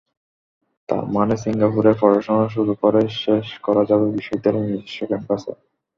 তার মানে সিঙ্গাপুরের পড়াশোনা শুরু করে শেষ করা যাবে বিশ্ববিদ্যালয়ের নিজস্ব ক্যাম্পাসে।